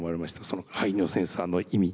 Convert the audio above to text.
その排尿センサーの意味。